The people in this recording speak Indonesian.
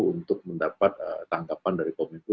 untuk mendapat tanggapan dari kominfo